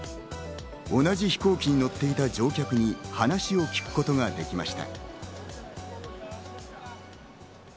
同じ飛行機に乗っていた乗客に話を聞くことができました。